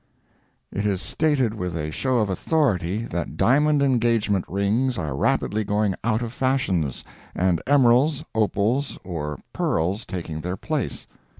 It is stated with a show of authority, that diamond engagement rings are rapidly going out of fashions, and emeralds, opals, or pearls taking their place.